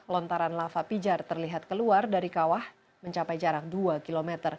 lontaran lava pijar terlihat keluar dari kawah mencapai jarak dua km